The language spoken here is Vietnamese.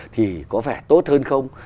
thì có vẻ tốt hơn không